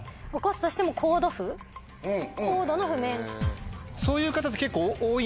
コードの譜面。